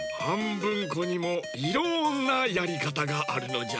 ぶんこにもいろんなやりかたがあるのじゃ。